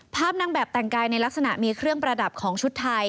นางแบบแต่งกายในลักษณะมีเครื่องประดับของชุดไทย